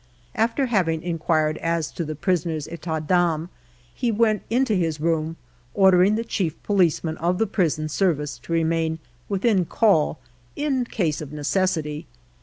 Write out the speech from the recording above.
After having inquired as to the prisoner's " etat d'ame," he went into his room, ordering the chief policeman of the prison service to remain within call, in case of necessity.